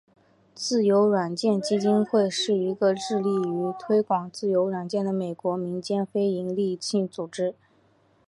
自由软件基金会是一个致力于推广自由软件的美国民间非营利性组织。